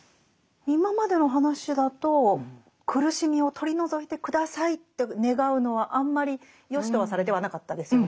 今までの話だと苦しみを取り除いて下さいって願うのはあんまりよしとはされてはなかったですよね。